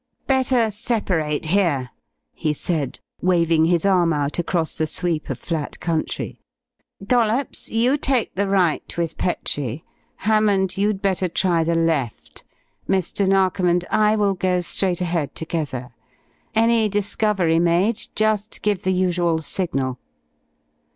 "Better separate here," he said, waving his arm out across the sweep of flat country. "Dollops, you take the right with Petrie. Hammond, you'd better try the left. Mr. Narkom and I will go straight ahead together. Any discovery made, just give the usual signal."